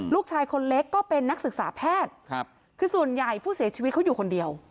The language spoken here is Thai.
ลูกชายคนเล็กก็เป็นนักศึกษาแพทย์คือส่วนใหญ่ผู้เสียชีวิตเขาอยู่คนเดียว